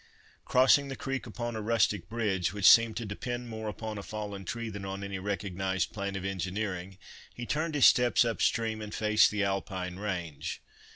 Crossing the creek upon a rustic bridge, which seemed to depend more upon a fallen tree than on any recognised plan of engineering, he turned his steps up stream, and faced the Alpine range.